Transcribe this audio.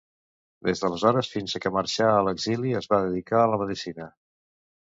Des d'aleshores fins que marxà a l'exili es va dedicar a la medicina.